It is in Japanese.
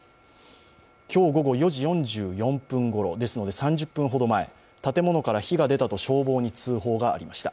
今日午後４時４４分ごろ、３０分ほど前、建物から火が出たと消防に通報がありました。